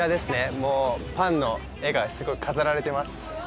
もうパンの絵がすごい飾られてます